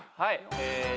はい。